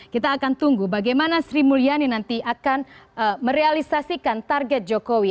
kita akan tunggu bagaimana sri mulyani nanti akan merealisasikan target jokowi